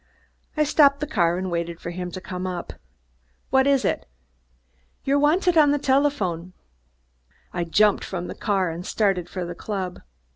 I stopped the car and waited for him to come up. "What is it?" "You're wanted on the telephone." I jumped from the car and started for the club.